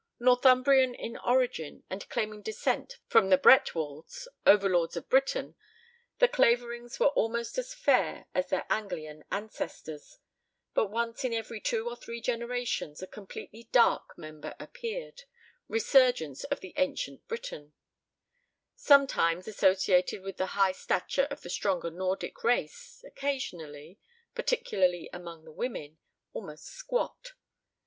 Northumbrian in origin and claiming descent from the Bretwaldes, overlords of Britain, the Claverings were almost as fair as their Anglian ancestors, but once in every two or three generations a completely dark member appeared, resurgence of the ancient Briton; sometimes associated with the high stature of the stronger Nordic race, occasionally particularly among the women almost squat.